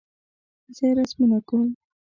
زه رسمونه کوم